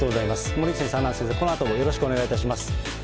森内先生、阿南先生、このあともよろしくお願いします。